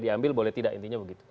diambil boleh tidak intinya begitu